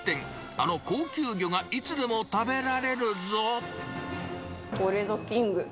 あの高級魚がいつでも食べられるこれぞキング。